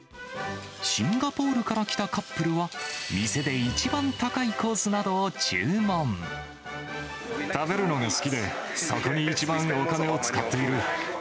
シンガポールから来たカップルは、食べるのが好きで、そこに一番お金を使っている。